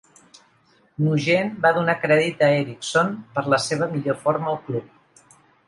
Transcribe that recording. Nugent va donar crèdit a Eriksson per la seva millor forma al club.